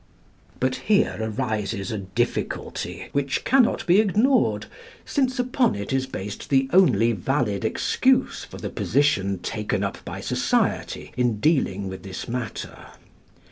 But here arises a difficulty, which cannot be ignored, since upon it is based the only valid excuse for the position taken up by society in dealing with this matter.